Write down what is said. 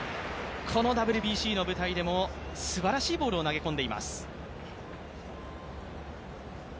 このＷＢＣの舞台でもすばらしいボールを投げ込んでいます。